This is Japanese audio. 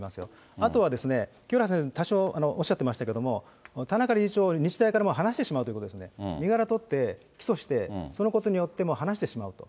あとは、清原先生、多少おっしゃってましたけれども、田中理事長、もう日大からもう離してしまうということですね、身柄取って、起訴して、そのことによってもう離してしまうと。